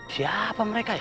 siapa mereka ya